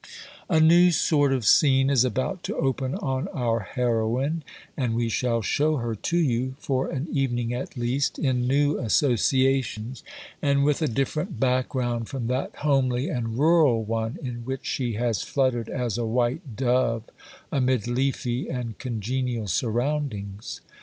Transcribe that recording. A new sort of scene is about to open on our heroine, and we shall show her to you, for an evening at least, in new associations, and with a different background from that homely and rural one in which she has fluttered as a white dove amid leafy and congenial surroundings.